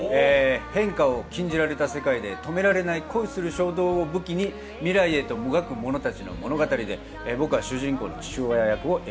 変化を禁じられた世界で止められない恋する衝動を武器に未来へともがく者たちの物語で僕は主人公の父親役を演じております。